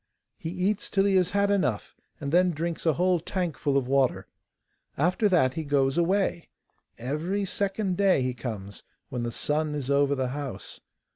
He eats till he has had enough, and then drinks a whole tankful of water. After that he goes away. Every second day he comes, when the sun is over the house.